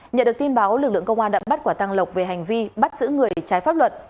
nhận được tin báo lực lượng công an đã bắt quả tăng lộc về hành vi bắt giữ người trái pháp luật